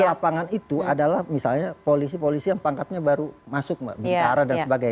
di lapangan itu adalah misalnya polisi polisi yang pangkatnya baru masuk mbak bintara dan sebagainya